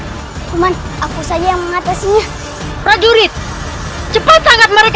gawat keamanan tuh gimana men man aku saja yang mengatasinya rajulit cepat sangat mereka